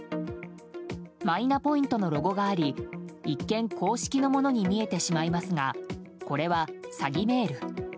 マイナポイントのロゴがあり一見公式のものに見えてしまいますがこれは詐欺メール。